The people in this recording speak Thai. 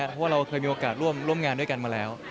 เพราะว่าเราเคยมีโอกาสร่วมงานด้วยกันมาแล้ว